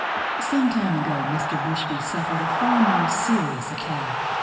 Some time ago, Mr. Bushby suffered a far more serious attack.